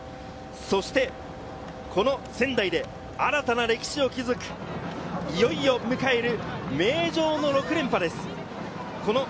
そしてこの仙台で新たな歴史を築く、いよいよ迎える、名城の６連覇です。